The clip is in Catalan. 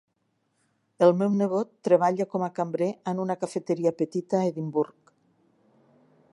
El meu nebot treballa com a cambrer en una cafeteria petita a Edimburg.